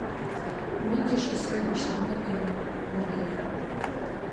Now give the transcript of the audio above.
Бик йыш осрай башланы әле ул һиңә.